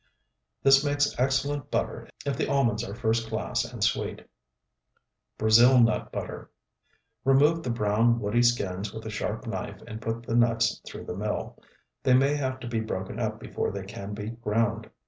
This makes excellent butter if the almonds are first class and sweet. BRAZIL NUT BUTTER Remove the brown, woody skins with a sharp knife and put the nuts through the mill. They may have to be broken up before they can be ground.